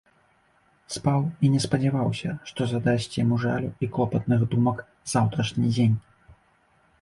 Спаў і не спадзяваўся, што задасць яму жалю і клопатных думак заўтрашні дзень.